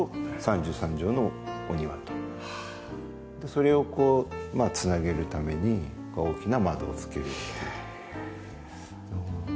それをこう繋げるために大きな窓を付けるっていう。